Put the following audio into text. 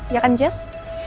ya kan jess